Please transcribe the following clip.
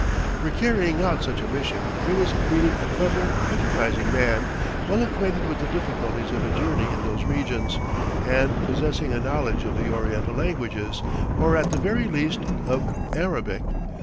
For carrying out such a mission there was needed a clever, enterprising man, well acquainted with the difficulties of a journey in those regions, and possessing a knowledge of the Oriental languages, or at the very least, of Arabic.